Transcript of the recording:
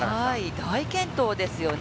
大健闘ですよね。